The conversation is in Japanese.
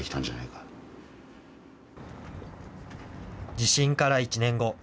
地震から１年後。